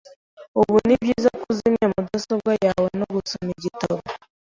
Ubu ni byiza kuzimya mudasobwa yawe no gusoma igitabo.